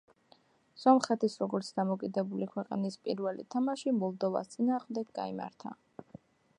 სომხეთის, როგორც დამოუკიდებელი ქვეყნის პირველი თამაში მოლდოვას წინააღმდეგ გაიმართა.